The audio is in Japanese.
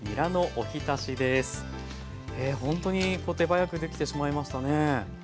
ほんとに手早く出来てしまいましたね。